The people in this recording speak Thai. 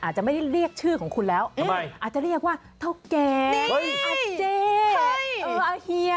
อาจจะไม่ได้เรียกชื่อของคุณแล้วอาจจะเรียกว่าเท่าแกงอาเจอาเฮีย